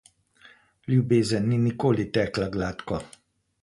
Ljubezen ni nikoli tekla gladko.